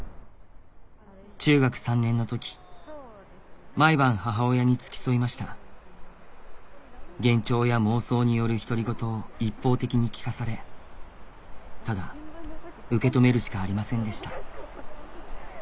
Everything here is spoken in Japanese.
中学３年の時毎晩母親に付き添いました幻聴や妄想による独り言を一方的に聞かされただ受け止めるしかありませんでした